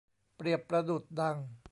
เปรียบประดุจดัง